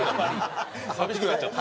寂しくなっちゃった。